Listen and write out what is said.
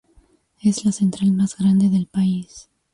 Es la central más grande del país.